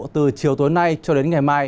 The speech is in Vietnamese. từ chiều tối nay cho đến ngày mai